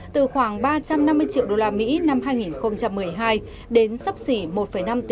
từ khoảng ba trăm năm mươi triệu usd năm hai nghìn một mươi hai đến sắp xỉ một năm tỷ usd năm hai nghìn hai mươi hai